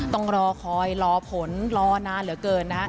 ต้องรอคอยรอผลรอนานเหลือเกินนะฮะ